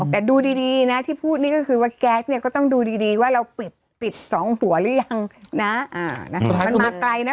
แต่ดูดีนะที่พูดนี่ก็คือว่าแก๊สเนี่ยก็ต้องดูดีว่าเราปิดสองหัวหรือยังนะมันมาไกลนะ